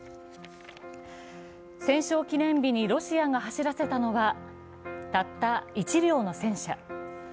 戦勝記念日にロシアが走らせたのは、たった１両の戦車。